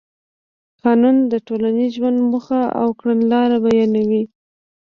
قانون د ټولنیز ژوند موخه او کړنلاره بیانوي.